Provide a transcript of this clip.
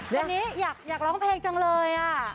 วันนี้อยากร้องเพลงจังเลย